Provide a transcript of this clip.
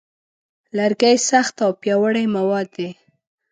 لرګی سخت او پیاوړی مواد دی.